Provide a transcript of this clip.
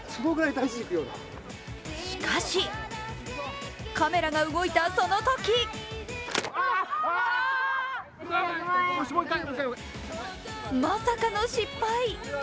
しかし、カメラが動いたそのときまさかの失敗。